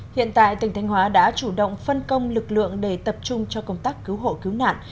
hiện tại tỉnh thanh hóa đã chủ động phân công lực lượng để tập trung cho công tác cứu hộ cứu nạn